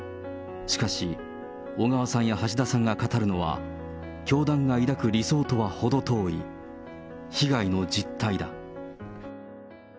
しかし、小川さんや橋田さんが語るのは、教団が抱く理想とは程遠い、被害の実態だ。